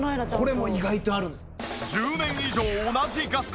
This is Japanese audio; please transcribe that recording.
これも意外とあるんです。